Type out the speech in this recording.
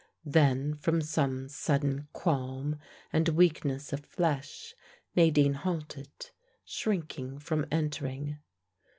Then from some sudden qualm and weakness of flesh, Nadine halted, shrinking from entering.